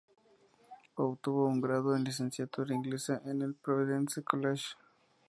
Obtuvo un grado en literatura inglesa en el Providence College.